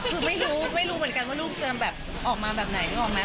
คือไม่รู้เหมือนกันว่ารูปจะออกมาแบบไหนรู้หรือเปล่า